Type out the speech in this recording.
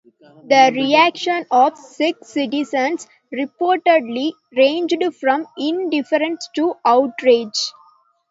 The reaction of Sikh citizens reportedly ranged from indifference to outrage.